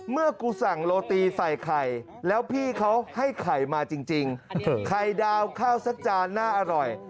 เมื่อกูสั่งโรตีใส่ไข่แล้วพี่เขาให้ไข่มาจริงไข่ดาวข้าวสักจานน่าอร่อย